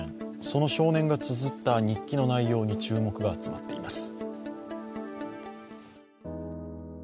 その少年がつづった日記の内容に注目が集まっています。